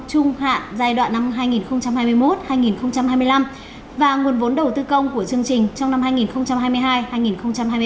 trung hạn giai đoạn năm hai nghìn hai mươi một hai nghìn hai mươi năm và nguồn vốn đầu tư công của chương trình trong năm hai nghìn hai mươi hai hai nghìn hai mươi ba